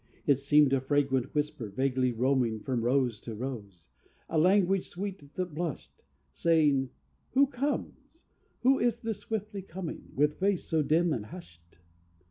It seemed a fragrant whisper vaguely roaming From rose to rose, a language sweet that blushed, Saying, "Who comes? Who is this swiftly coming, With face so dim and hushed?